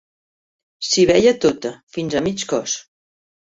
S'hi veia tota, fins a mig cos